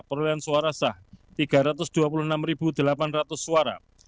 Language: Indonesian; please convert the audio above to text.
perolehan suara sah tiga ratus dua puluh enam delapan ratus suara